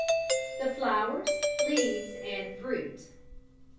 ] _The Flowers, Leaves and Fruit.